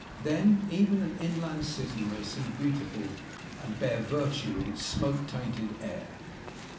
Then even an inland city may seem beautiful, and bear virtue in its smoke tainted air.